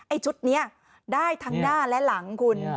ชุดนี้ได้ทั้งหน้าและหลังคุณ